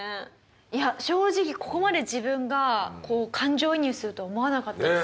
いや正直ここまで自分が感情移入するとは思わなかったです。